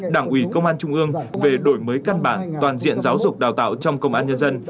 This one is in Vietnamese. đảng ủy công an trung ương về đổi mới căn bản toàn diện giáo dục đào tạo trong công an nhân dân